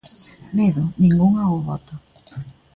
Medo, ningún ao voto.